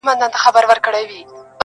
پاچا پورته په کړکۍ په ژړا سو.!